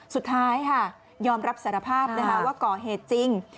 สุดท้ายค่ะยอมรับสารภาพนะคะว่าก่อเหตุจริง